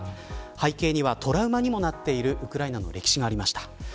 背景にはトラウマにもなっているウクライナの歴史がありました。